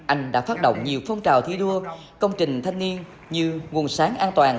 anh đã phát động nhiều phong trào thi đua công trình thanh niên như nguồn sáng an toàn